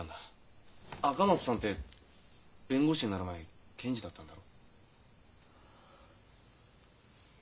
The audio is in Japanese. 赤松さんって弁護士になる前検事だったんだろ？